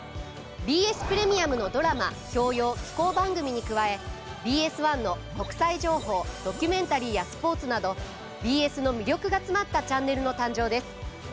ＢＳプレミアムのドラマ教養紀行番組に加えＢＳ１の国際情報ドキュメンタリーやスポーツなどＢＳの魅力が詰まったチャンネルの誕生です。